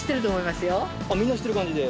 みんな知ってる感じで？